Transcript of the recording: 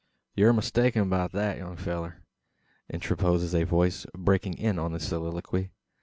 "Yur mistaken beout thet, young fellur," interposes a voice breaking in on the soliloquy.